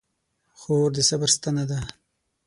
خور د صبر ستنه ده.